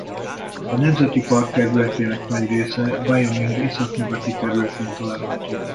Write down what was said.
A nemzeti park területének nagy része Wyoming északnyugati területén található.